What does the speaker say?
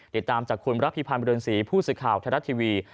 ติดตามจากคุณรัฐพิพันธ์บริเวณศรีผู้สื่อข่าวธรรมดาทีวี